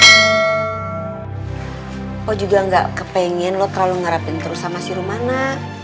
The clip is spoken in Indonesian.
empok juga gak kepengen lo terlalu ngerapin terus sama si rumana